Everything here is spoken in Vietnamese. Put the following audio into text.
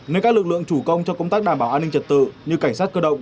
nên các lực lượng chủ công cho công tác đảm bảo an ninh trật tự như cảnh sát cơ động